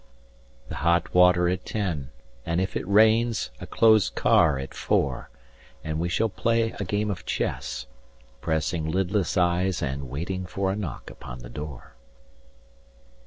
The hot water at ten. 135 And if it rains, a closed car at four. And we shall play a game of chess, Pressing lidless eyes and waiting for a knock upon the door.